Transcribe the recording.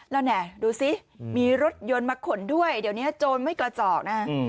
แล้วเนี่ยดูสิมีรถยนต์มาขนด้วยเดี๋ยวนี้โจรไม่กระจอกนะฮะ